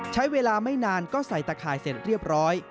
ใช้เวลาไม่นานก็ใส่ตะข่ายเสร็จเรียบร้อย